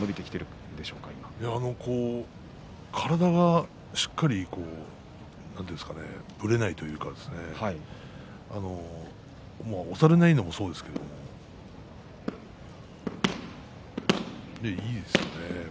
体がしっかりとぶれないというか押されないのもそうですけどもいいですね。